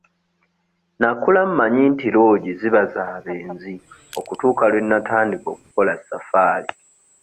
Nakula manyi nti loogi ziba za benzi okutuuka lwe natandika okukola safaari.